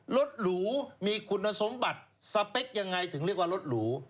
หรูมีคุณสมบัติสเปคยังไงถึงเรียกว่ารถหรู